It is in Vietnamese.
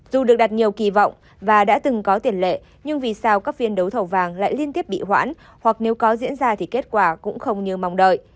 dù được đặt nhiều kỳ vọng và đã từng có tiền lệ nhưng vì sao các phiên đấu thầu vàng lại liên tiếp bị hoãn hoặc nếu có diễn ra thì kết quả cũng không như mong đợi